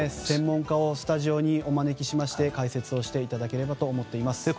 専門家をスタジオにお招きしまして解説をしていただければと思っています。